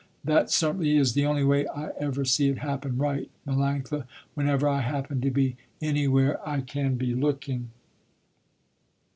That certainly is the only way I ever see it happen right, Melanctha, whenever I happen to be anywhere I can be looking."